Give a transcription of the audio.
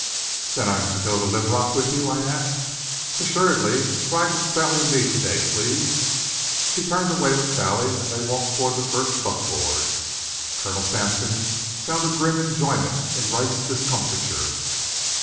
"Then I'm to go to Linrock with you?" I asked. "Assuredly. Ride with Sally and me to day, please." She turned away with Sally, and they walked toward the first buckboard. Colonel Sampson found a grim enjoyment in Wright's discomfiture.